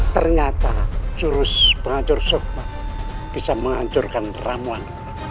ternyata jurus penghancur sohbat bisa menghancurkan ramuan